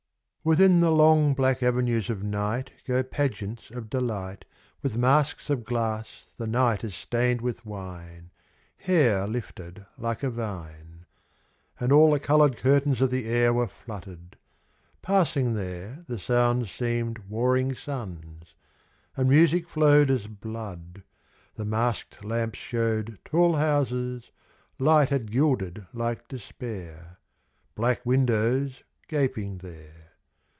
PROCESSIONS. W ITHIN the long black avenues of Night Go pageants of delight With masks of glass the night has stained with wine, Hair lifted like a vine ;— And all the coloured curtains of the air Were fluttered. Passing there, The sounds seemed warring suns ; and music flowed As blood ; the mask'd lamps showed Tall houses, light had gilded like despair : Black windows, gaping there.